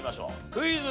クイズ。